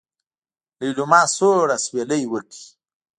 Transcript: ليلما سوړ اسوېلی وکړ.